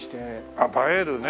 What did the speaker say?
あっ「映える」ね。